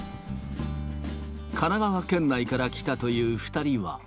神奈川県内から来たという２人は。